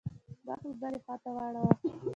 مخ مې بلې خوا ته واړاوه.